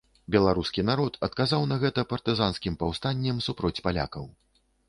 Беларускі народ адказаў на гэта партызанскім паўстаннем супроць палякаў.